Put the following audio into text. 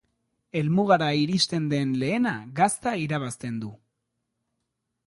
Helmugara iristen den lehena gazta irabazten du.